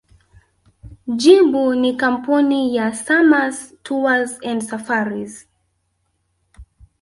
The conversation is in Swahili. Jibu ni Kampuni ya Samâs Tours and Safaris